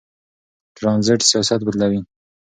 ترانزیت سیاست بدلوي.